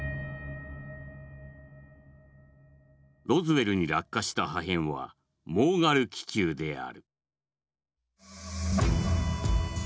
「ロズウェルに落下した破片はモーガル気球である」。